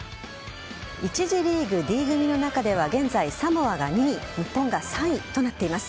１次リーグＤ組の中では現在サモアが２位日本が３位となっています。